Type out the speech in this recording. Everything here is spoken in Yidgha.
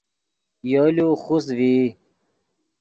یولو خوست ڤئی